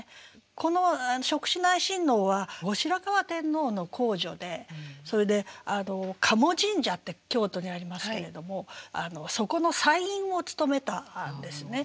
この式子内親王は後白河天皇の皇女でそれで賀茂神社って京都にありますけれどもそこの斎院をつとめたんですね。